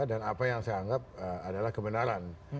dan apa yang saya anggap adalah kebenaran